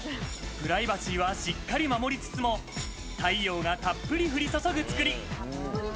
プライバシーは、しっかり守りつつも、太陽がたっぷり降り注ぐ作り。